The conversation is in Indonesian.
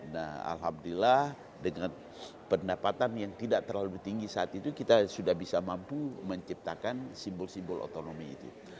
nah alhamdulillah dengan pendapatan yang tidak terlalu tinggi saat itu kita sudah bisa mampu menciptakan simbol simbol otonomi itu